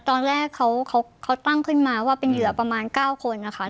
ตอนแรกเขาตั้งขึ้นมาว่าเป็นเหยื่อประมาณ๙คนนะคะ